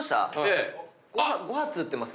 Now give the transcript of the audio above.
５発打ってます